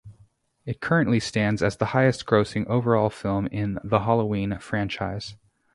It currently stands as the highest grossing overall film in the "Halloween" franchise.